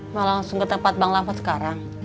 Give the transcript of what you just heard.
mau langsung ke tempat bang lava sekarang